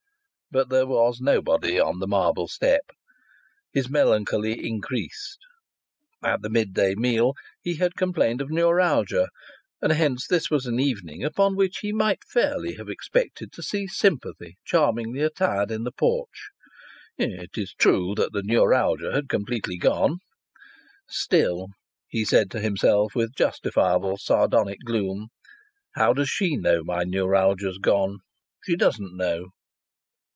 But there was nobody on the marble step. His melancholy increased. At the mid day meal he had complained of neuralgia, and hence this was an evening upon which he might fairly have expected to see sympathy charmingly attired in the porch. It is true that the neuralgia had completely gone. "Still," he said to himself with justifiable sardonic gloom, "how does she know my neuralgia's gone? She doesn't know."